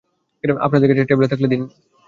আপনার কাছে ট্যাবলেট থাকলে দিন, স্যার।